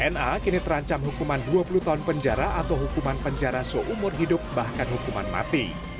na kini terancam hukuman dua puluh tahun penjara atau hukuman penjara seumur hidup bahkan hukuman mati